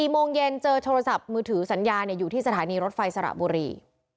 โมงเย็นเจอโทรศัพท์มือถือสัญญาอยู่ที่สถานีรถไฟสระบุรี